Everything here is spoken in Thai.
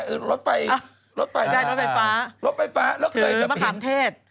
ถือมะคามเทศ